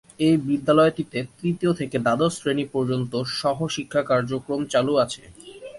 এ বিদ্যালয়টিতে তৃতীয় থেকে দ্বাদশ শ্রেনি পর্যন্ত সহশিক্ষা কার্যক্রম চালু আছে।